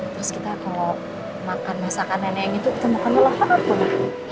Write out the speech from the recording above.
terus kita kalo makan masakan nenek itu kita makan leher apa